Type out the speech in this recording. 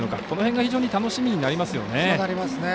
この辺が非常に楽しみになりますね。